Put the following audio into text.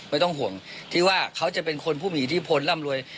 ไม่ต้องห่วงที่ว่าเขาจะเป็นคนผู้มีอิทธิพลร่ำรวย